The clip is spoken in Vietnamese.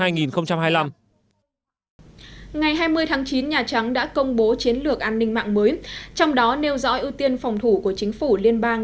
ngày hai mươi tháng chín nhà trắng đã công bố chiến lược an ninh mạng mới trong đó nêu rõ ưu tiên phòng thủ của chính phủ liên bang